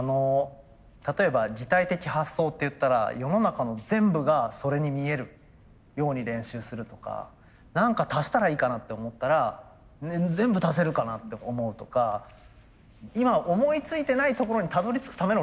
例えば擬態的発想っていったら世の中の全部がそれに見えるように練習するとか何か足したらいいかなって思ったら全部足せるかなって思うとか今思いついてないところにたどりつくための練習なんですよ。